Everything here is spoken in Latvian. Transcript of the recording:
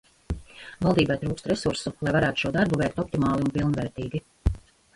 Valdībai trūkst resursu, lai varētu šo darbu veikt optimāli un pilnvērtīgi.